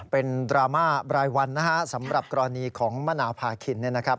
เป็นดราม่าบรายวันสำหรับกรณีของมะหนาวผ่าขิน